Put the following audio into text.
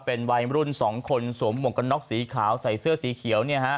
เป็นวัยรุ่น๒คนสวมหมวกกันน็อกสีขาวใส่เสื้อสีเขียว